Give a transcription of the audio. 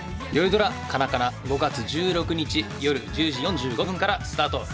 ドラ「カナカナ」５月１６日夜１０時４５分からスタート。